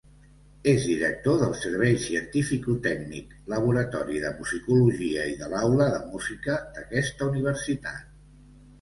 És director del Servei Cientificotècnic Laboratori de Musicologia i de l'Aula de Música d'aquesta universitat.